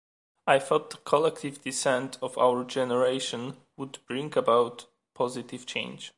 I thought the collective dissent of our generation would bring about positive change.